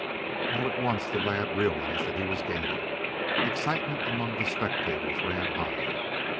All at once the lad realized that he was gaining. Excitement among the spectators ran high.